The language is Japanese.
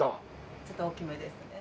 ちょっと大きめですね。